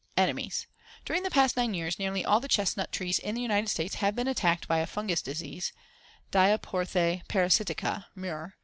Enemies: During the past nine years nearly all the chestnut trees in the United States have been attacked by a fungus disease (Diaporthe parasitica, Mur.)